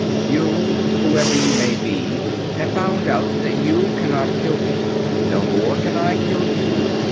"You, whoever you may be, have found out that you cannot kill me. No more can I kill you.